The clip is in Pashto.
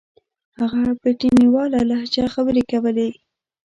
هغه په تڼيواله لهجه خبرې کولې.